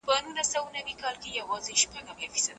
سیال هیواد د نړیوالي محکمې پریکړه نه ردوي.